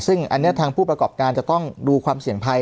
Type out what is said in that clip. ซึ่งอันนี้ทางผู้ประกอบการจะต้องดูความเสี่ยงภัย